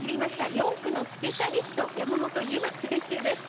４区のスペシャリスト山本有真選手です。